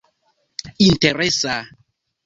interesa